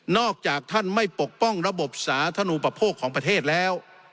อกจากท่านไม่ปกป้องระบบสาธารณูปโภคของประเทศแล้ว